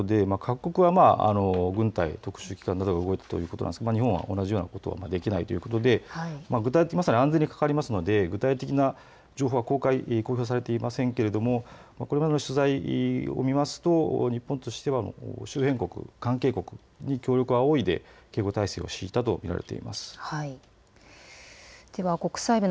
まさに初めてということで各国は、軍隊、特殊機関などが動くということですが日本は同じようなことができないということで具体的にいうと安全に関わるので具体的な情報は公開されていませんがこれまでの取材を見ると日本としては周辺国、関係国に協力を仰いで警護体制を敷いたと見られます。